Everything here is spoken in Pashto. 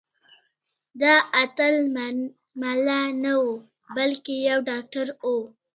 دا اتل ملا نه و بلکې یو ډاکټر و.